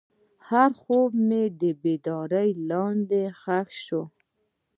هر خوب مې د بیدارۍ لاندې ښخ شو.